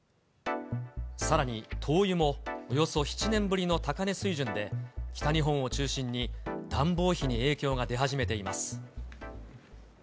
さらに、灯油もおよそ７年ぶりの高値水準で、北日本を中心に暖房費に影響が出始めています。